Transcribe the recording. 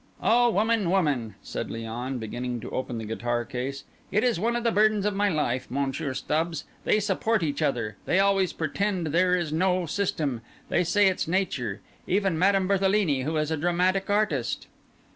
"Oh, woman, woman!" said Léon, beginning to open the guitar case. "It is one of the burdens of my life, Monsieur Stubbs; they support each other; they always pretend there is no system; they say it's nature. Even Madame Berthelini, who is a dramatic artist!"